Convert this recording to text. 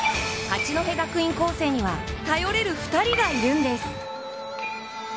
八戸学院光星には頼れる２人がいるんです。